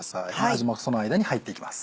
味もその間に入っていきます。